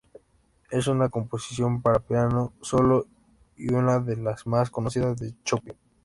Es una composición para piano solo y una de las más conocidas de Chopin.